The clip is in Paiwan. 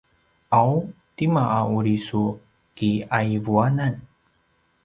’aw tima a uri su ki’aivuanan?